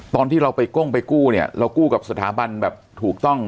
ตอนที่เราก้วงไปกู้เรากู้กับสถาบันถูกต้อง